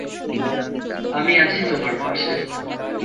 আমি আছি তোমার পাশে!